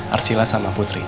arsila sama putri